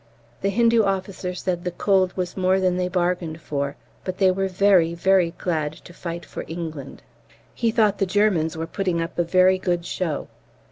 The Hindu officer said the cold was more than they bargained for, but they were "very, very glad to fight for England." He thought the Germans were putting up a very good show.